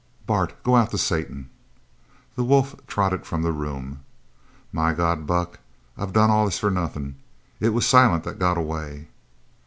"Bart, go out to Satan!" The wolf trotted from the room. "My God, Buck, I've done all this for nothin'! It was Silent that got away!"